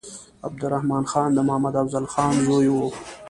عبدالرحمن خان د محمد افضل خان زوی وو.